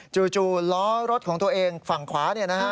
จู่ล้อรถของตัวเองฝั่งขวาเนี่ยนะฮะ